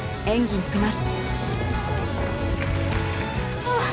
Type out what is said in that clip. ああ